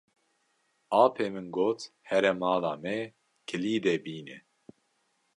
Apê min got here mala me kilîdê bîne.